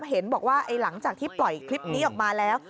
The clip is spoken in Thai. เห็นบอกว่าหลังจากที่ปล่อยคลิปนี้ออกมาแล้ว